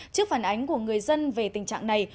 trước phản ánh của người dân về tình trạng này